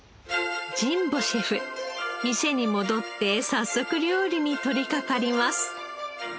神保シェフ店に戻って早速料理に取りかかります。